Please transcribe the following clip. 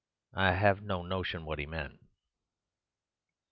I have no notion what he meant.